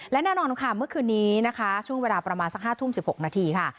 และแน่นอนค่ะเมื่อคืนนี้นะคะช่วงเวลาประมาณสัก๕ทุ่ม๑๖นาทีค่ะ